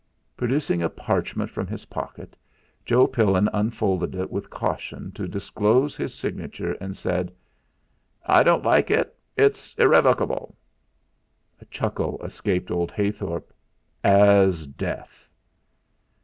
Producing a parchment from his pocket Joe Pillin unfolded it with caution to disclose his signature, and said: "I don't like it it's irrevocable." A chuckle escaped old Heythorp. "As death."